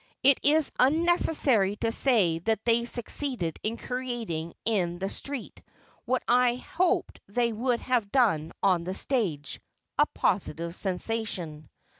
It is unnecessary to say that they succeeded in creating in the street, what I hoped they would have done on the stage, a positive sensation.